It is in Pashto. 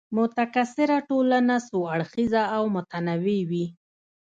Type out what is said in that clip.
متکثره ټولنه څو اړخیزه او متنوع وي.